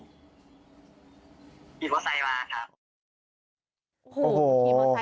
ขี้มอร์ไซมาครับ